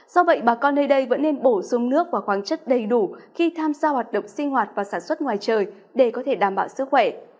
do vậy bà con nơi đây vẫn nên bổ sung nước và khoáng chất đầy đủ khi tham gia hoạt động sinh hoạt và sản xuất ngoài trời để có thể đảm bảo sức khỏe